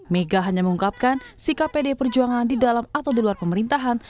mega hanya mengungkapkan sikap pdi perjuangan di dalam atau di luar pemerintahan